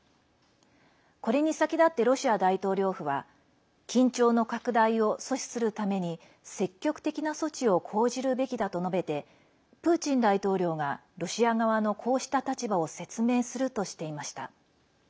これに先立ってロシア大統領府は緊張の拡大を阻止するために積極的な措置を講じるべきだと述べてプーチン大統領がロシア側のこうした立場を説明するとしていました。